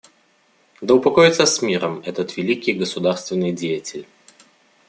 Да упокоится с миром этот великий государственный деятель.